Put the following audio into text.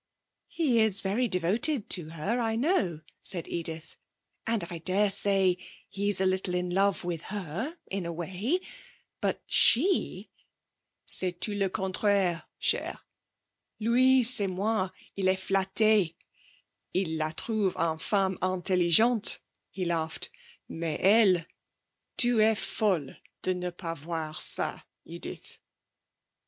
'He is very devoted to her, I know,' said Edith, 'and I daresay he's a little in love with her in a way. But she ' 'C'est tout le contraire, chère. Lui, c'est moins; il est flatté. Il la trouve une femme intelligente,' he laughed. 'Mais elle! Tu est folle de ne pas voir ça, Edith.